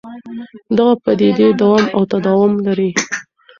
دغه پدیدې دوام او تداوم لري.